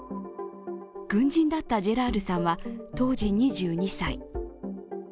軍人だったジェラールさんは当時２２歳。